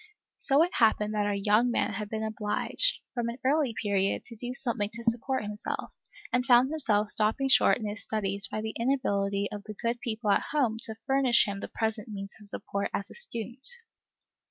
So it happened that our young man had been obliged, from an early period, to do something to support himself, and found himself stopped short in his studies by the inability of the good people at home to furnish him the present means of support as a student.